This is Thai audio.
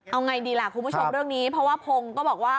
เอาไงดีล่ะคุณผู้ชมเรื่องนี้เพราะว่าพงศ์ก็บอกว่า